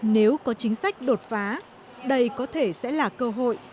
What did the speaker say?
nếu có chính sách đột phá đây có thể sẽ là cơ hội